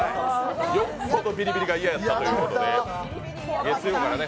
よっぽどビリビリが嫌やったということでね。